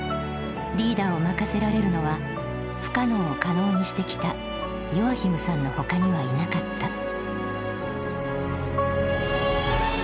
リーダーを任せられるのは不可能を可能にしてきたヨアヒムさんの他にはいなかった。